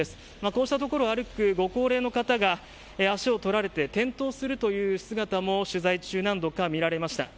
こうした所を歩くご高齢の方が足を取られて転倒する姿も取材中、何度か見られました。